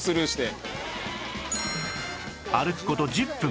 歩く事１０分